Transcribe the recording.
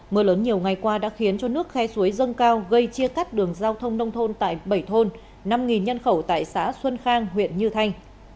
mưa lớn nhiều ngày qua đã khiến cho nước khe suối dâng cao gây chia cắt đường giao thông nông thôn tại bảy thôn năm nhân khẩu tại xã xuân khang huyện như thanh